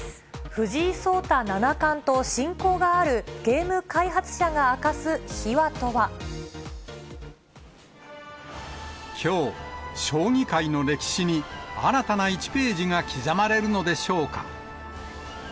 藤井聡太七冠と親交があるゲきょう、将棋界の歴史に新たな１ページが刻まれるのでしょうか。